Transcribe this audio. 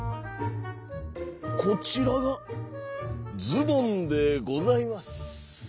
「こちらがズボンでございます」。